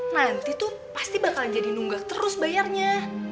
nanti tuh pasti bakal jadi nunggak terus bayarnya